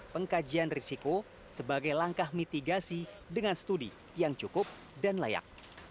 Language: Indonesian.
pengkajian risiko sebagai langkah mitigasi dengan studi yang cukup dan layak